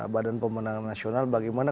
badan pemenang nasional bagaimana